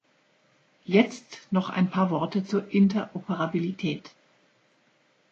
Jetzt noch ein paar Worte zur Interoperabilität.